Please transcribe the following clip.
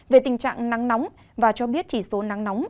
về tình trạng nắng nóng và cho biết chỉ số nắng nóng